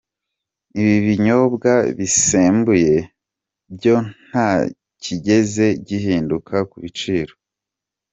Ibinyobwa bisembuye byo nta kigeze gihinduka ku biciro.